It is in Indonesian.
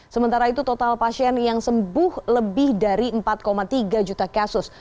sementara itu total pasien yang sembuh lebih dari empat tiga juta kasus